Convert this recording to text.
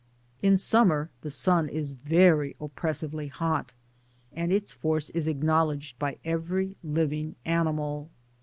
In summer the sun is very oppressively hot*, and its force is acknowledged by every living animal.